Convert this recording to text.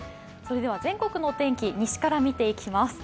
全国のお天気、西から見ていきます